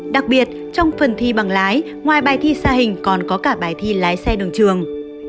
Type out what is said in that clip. đặc biệt trong phần thi bằng lái ngoài bài thi xa hình còn có cả bài thi lái xe đường trường